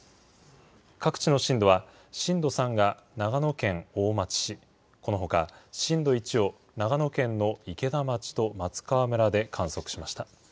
各地の震度は、震度３が長野県大町市、このほか、震度１を長野県の池田町と松川村で観測しました。